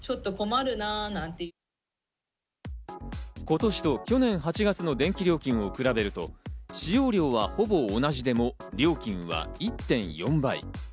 今年と去年８月の電気料金を比べると、使用量はほぼ同じでも、料金は１．４倍。